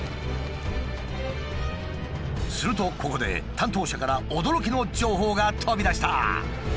するとここで担当者から驚きの情報が飛び出した！